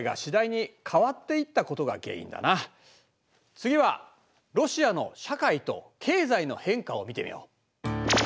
次はロシアの社会と経済の変化を見てみよう。